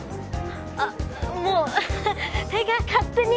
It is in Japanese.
あぁもう手が勝手に。